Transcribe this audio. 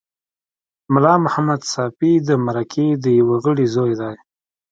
ملا محمد ساپي د مرکې د یوه غړي زوی دی.